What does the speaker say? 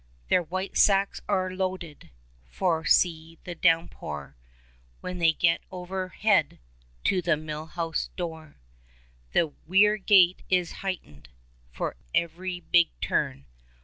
Their white sacks are loaded ; For, see the downpour When they get overhead To the mill house door. The weir gate is heightened. For ev'ry big turn.